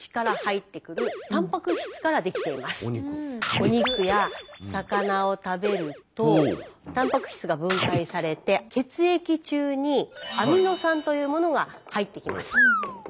お肉や魚を食べるとたんぱく質が分解されて血液中にアミノ酸というものが入ってきます。